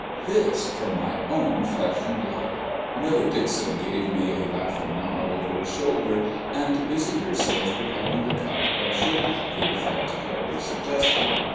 This from my own flesh and blood! Millie Dixon gave me a laughing nod over her shoulder, and busied herself preparing the cup that should have the effect Carrie suggested.